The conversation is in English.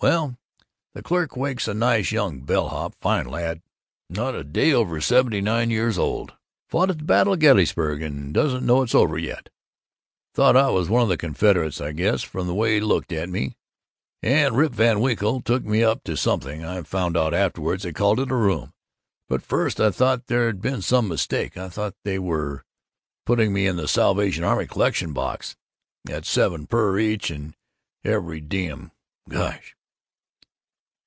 Well, the clerk wakes a nice young bellhop fine lad not a day over seventy nine years old fought at the Battle of Gettysburg and doesn't know it's over yet thought I was one of the Confederates, I guess, from the way he looked at me and Rip van Winkle took me up to something I found out afterwards they called it a room, but first I thought there'd been some mistake I thought they were putting me in the Salvation Army collection box! At seven per each and every diem! Gosh!"